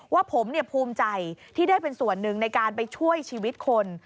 ว่าผมภูมิใจที่ได้เป็นส่วนหนึ่งในการไปช่วยชีวิตคน